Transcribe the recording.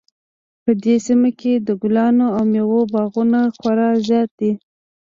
په دې سیمه کې د ګلانو او میوو باغونه خورا زیات دي